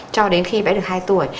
cho đến khi bé được hai tuổi